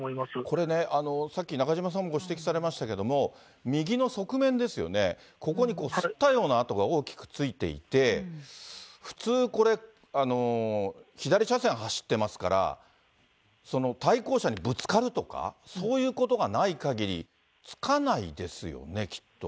これね、さっき中島さんもご指摘されましたけども、右の側面ですよね、ここにこすったような跡が大きくついていて、普通これ、左車線走ってますから、対向車にぶつかるとか、そういうことがないかぎり、つかないですよね、きっと。